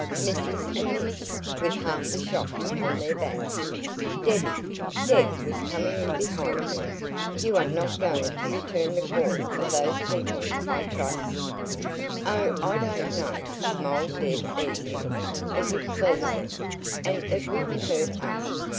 "Mrs and Miss with half the shop upon their backs. Debbie" Deb was coming in behind her "you are NOT going to return the call of those people, I TRUST?" "Oh, I don't know," smiled Deb easily. "It would please them, and it wouldn't hurt us.